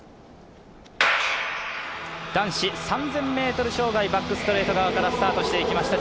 男子３０００ｍ障害バックストレート側からスタートしていきました。